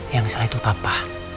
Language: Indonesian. yang salah itu papa